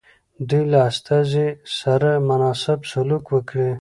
دوی له استازي سره مناسب سلوک وکړي.